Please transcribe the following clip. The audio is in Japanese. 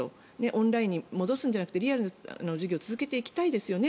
オンラインに戻すんじゃなくてリアルの授業を続けていきたいですよね